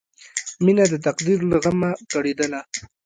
مینه د تقدیر له غمه کړېدله